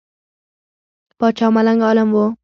پاچا ملنګ عالم وو.